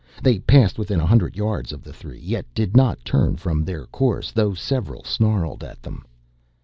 They passed within a hundred yards of the three, yet did not turn from their course, though several snarled at them.